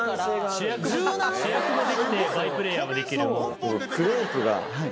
主役もできてバイプレーヤーもできる。